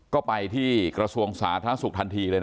ก็ไปที่กระทรวงสาธารณสุขทันทีเลยนะ